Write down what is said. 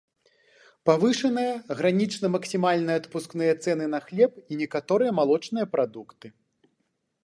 Павышаныя гранічна максімальныя адпускныя цэны на хлеб і некаторыя малочныя прадукты.